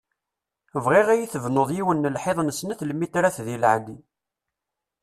Bɣiɣ ad iyi-tebnuḍ yiwen n lḥiḍ n snat lmitrat di leɛli.